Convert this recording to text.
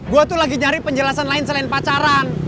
gue tuh lagi nyari penjelasan lain selain pacaran